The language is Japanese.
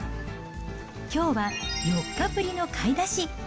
きょうは４日ぶりの買い出し。